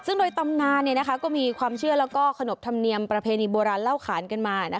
ซึ่งโดยตำนานก็มีความเชื่อแล้วก็ขนบธรรมเนียมประเพณีโบราณเล่าขานกันมา